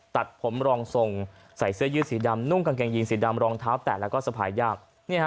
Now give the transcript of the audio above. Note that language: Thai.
ตัดผมรองทรงใส่เสื้อยืดสีดำนุ่งกางเกงยีนสีดำรองเท้าแตะแล้วก็สะพายยาก